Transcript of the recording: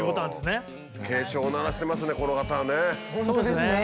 そうですね。